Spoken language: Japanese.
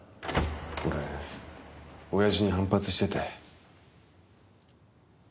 俺親父に反発してて。